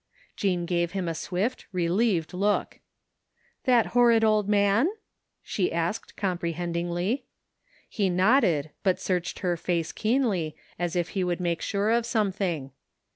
Jean gave him a swift, relieved look. *' That horrid old man? " she asked comprehendingly. He nodded, but searched her face keenly, as if he would make sure of some thing.